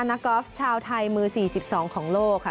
กอล์ฟชาวไทยมือ๔๒ของโลกค่ะ